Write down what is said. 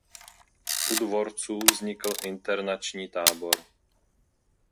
U Dvorců vznikl internační tábor.